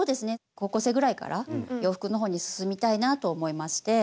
高校生ぐらいから洋服の方に進みたいなと思いまして。